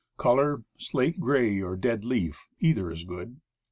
Color, slate gray or dead leaf (either is good).